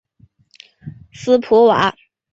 斯普瓦。